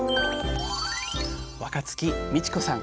若月美智子さん